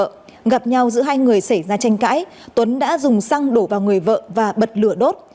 kết thúc lập nhau giữa hai người xảy ra tranh cãi tuấn đã dùng xăng đổ vào người vợ và bật lửa đốt